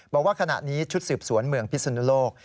บอกว่าขณะนี้ชุดสืบสวนเมืองพิศนุโลก